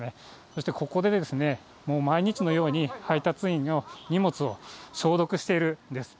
そしてここでですね、もう毎日のように配達員の荷物を消毒しているんです。